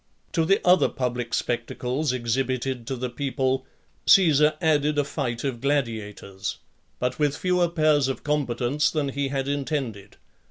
To the other public spectacles exhibited to the people, Caesar added a fight of gladiators, but with fewer pairs of combatants than he had intended.